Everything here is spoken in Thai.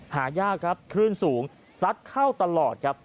หายากครับคลื่นสูงซัดเข้าตลอดครับ